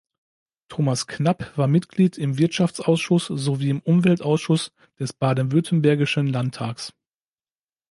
Thomas Knapp war Mitglied im Wirtschaftsausschuss sowie im Umweltausschuss des baden-württembergischen Landtags.